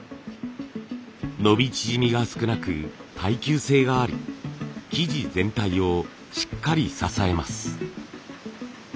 伸び縮みが少なく耐久性があり生地全体をしっかり支えます。